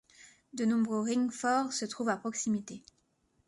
De nombreux ringforts se trouvent à proximité.